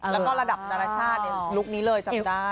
แล้วก็ระดับนานาชาติลุคนี้เลยจำได้